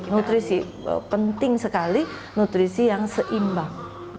nutrisi penting sekali nutrisi yang seimbang